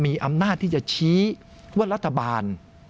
มีอำนาจที่จะชี้ว่ารัฐบาล